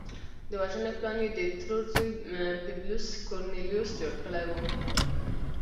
د وژنې پلان یې د ترور زوی پبلیوس کورنلیوس جوړ کړی و